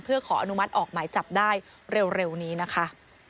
เพื่อขออนุมัติออกหมายจับได้เร็วนี้นะคะ